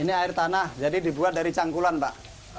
ini air tanah jadi dibuat dari cangkulan pak